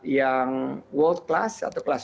yang memiliki keuntungan yang berkualitas